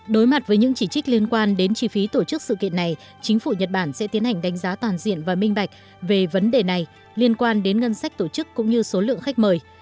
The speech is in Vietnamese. đối mặt với những chỉ trích liên quan đến chi phí tổ chức sự kiện này chính phủ nhật bản sẽ tiến hành đánh giá toàn diện và minh bạch về vấn đề này liên quan đến ngân sách tổ chức cũng như số lượng khách mời